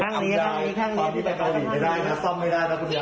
นี่ค่ะ